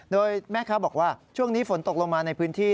โดยแม่ค้าบอกว่าช่วงนี้ฝนตกลงมาในพื้นที่